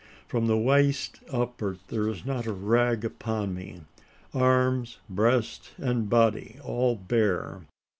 From the waist upward, there is not a rag upon me arms, breast, and body all bare!